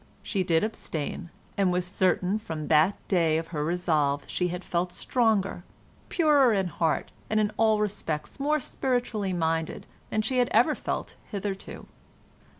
She did abstain, and was certain that from the day of her resolve she had felt stronger, purer in heart, and in all respects more spiritually minded than she had ever felt hitherto.